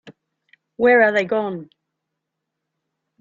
Where are they gone?